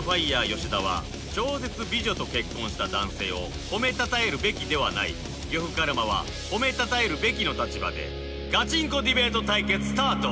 吉田は超絶美女と結婚した男性を褒めたたえるべきではない呂布カルマは褒めたたえるべきの立場でガチンコディベート対決スタート